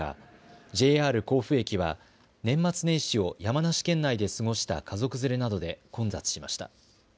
ＪＲ甲府駅は年末年始を山梨県内で過ごした家族連れなどで混雑しました。